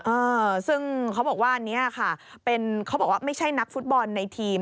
เออซึ่งเขาบอกว่าอันนี้ค่ะเป็นเขาบอกว่าไม่ใช่นักฟุตบอลในทีม